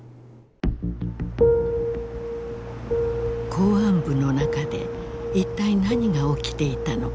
公安部の中で一体何が起きていたのか。